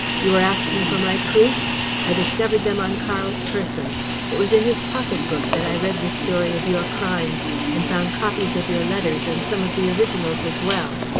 You were asking for my proofs: I discovered them on Karl's person! It was in his pocket book that I read the story of your crimes and found copies of your letters and some of the originals as well.